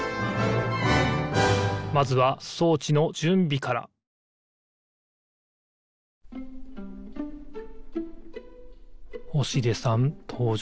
まずは装置のじゅんびから星出さんとうじょうです。